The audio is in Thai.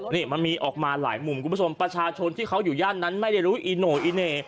นี่มันมีออกมาหลายมุมคุณผู้ชมประชาชนที่เขาอยู่ย่านนั้นไม่ได้รู้อีโน่อีเหน่